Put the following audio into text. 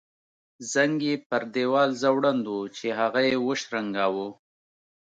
زنګ یې پر دیوال ځوړند وو چې هغه یې وشرنګاوه.